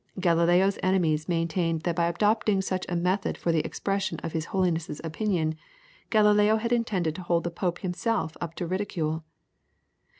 Galileo's enemies maintained that by adopting such a method for the expression of his Holiness's opinion, Galileo had intended to hold the Pope himself up to ridicule.